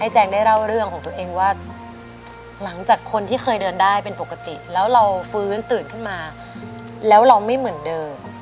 แจงได้เล่าเรื่องของตัวเองว่าหลังจากคนที่เคยเดินได้เป็นปกติแล้วเราฟื้นตื่นขึ้นมาแล้วเราไม่เหมือนเดิม